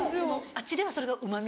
あっちではそれがうまみ。